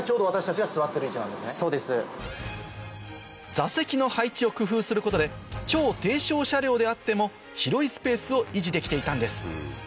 座席の配置を工夫することで超低床車両であっても広いスペースを維持できていたんです